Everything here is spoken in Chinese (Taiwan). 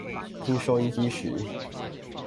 聽收音機時